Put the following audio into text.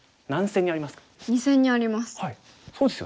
２線にあります。